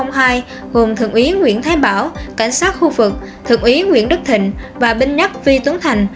gồm thượng úy nguyễn thái bảo cảnh sát khu vực thượng úy nguyễn đức thịnh và binh nhắc vi tuấn thành